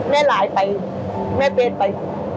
แม่หลายไปแม่เป็นไป